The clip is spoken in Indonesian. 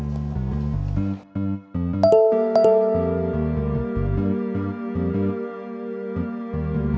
tidak ada yang bisa dikira